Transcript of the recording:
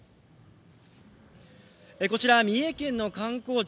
こちら三重県の観光地